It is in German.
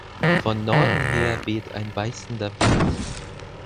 Von Norden her weht ein beißender Wind.